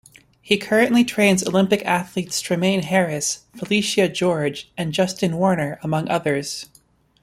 He currently trains Olympic athletes Tremaine Harris, Phylicia George and Justyn Warner, among others.